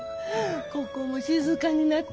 ここも静かになって。